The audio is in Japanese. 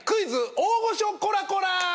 大御所コラコラ」